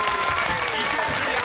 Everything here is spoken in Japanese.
１問クリア！